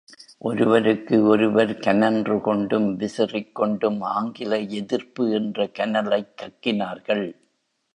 ஒருவருக்கு ஒருவர் கனன்று கொண்டும் விசிறிக் கொண்டும் ஆங்கில எதிர்ப்பு என்ற கனலைக் கக்கினார்கள்.